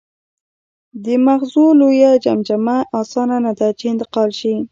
د مغزو لویه جمجمه اسانه نهده، چې انتقال شي.